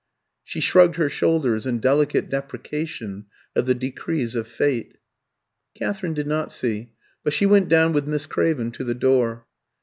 She shrugged her shoulders, in delicate deprecation of the decrees of Fate. Katherine did not see, but she went down with Miss Craven to the door.